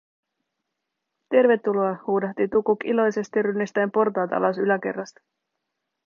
"Tervetuloa!", huudahti Tukuk iloisesti rynnistäen portaat alas yläkerrasta.